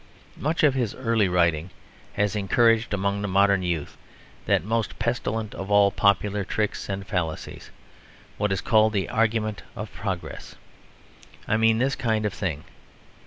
Much of his early writing has encouraged among the modern youth that most pestilent of all popular tricks and fallacies; what is called the argument of progress. I mean this kind of thing.